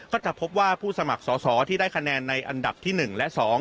ก็จะพบว่าผู้สมัครสอสอที่ได้คะแนนในอันดับที่๑และ๒